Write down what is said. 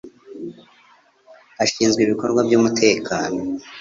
Ashinzwe ibikorwa by umutekano